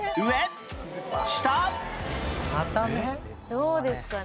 どうですかね？